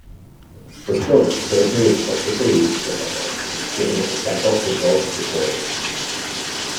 For children surgery is particularly difficult, given the potential for growth disorders.